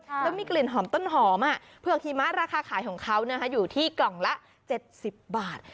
แล้วมีกลิ่นหอมต้นหอมเผือกหิมะราคาขายของเขาอยู่ที่กล่องละ๗๐บาท